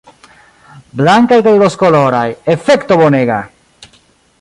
Blankaj kaj rozokoloraj, efekto bonega!